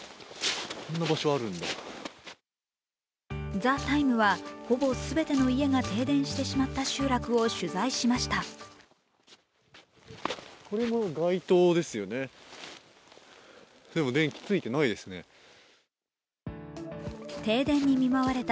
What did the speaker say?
「ＴＨＥＴＩＭＥ，」はほぼすべての家が停電してしまった集落を取材しました。